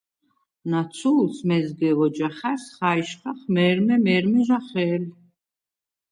ნაცუ̄ლს მეზგე ვოჯახარს ხაჲშხახ მე̄რმე-მე̄რმე ჟახე̄ლ.